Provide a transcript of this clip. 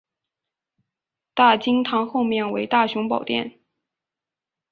大经堂后面为大雄宝殿。